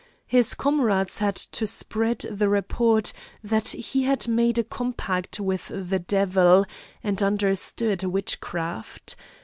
His comrades had to spread the report that he had made a compact with the devil, and understood witchcraft.